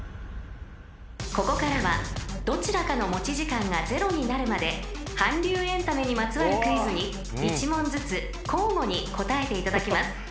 ［ここからはどちらかの持ち時間がゼロになるまで韓流エンタメにまつわるクイズに１問ずつ交互に答えていただきます］